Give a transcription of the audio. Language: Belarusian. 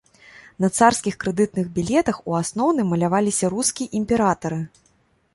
На царскіх крэдытных білетах у асноўным маляваліся рускія імператары.